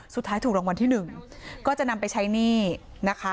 สุดท้ายถูกรางวัลที่๑ก็จะนำไปใช้หนี้นะคะ